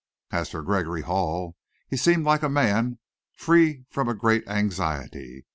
As for Gregory Hall, he seemed like a man free from a great anxiety.